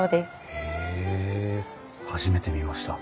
へえ初めて見ました。